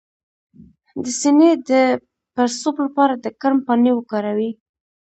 د سینې د پړسوب لپاره د کرم پاڼې وکاروئ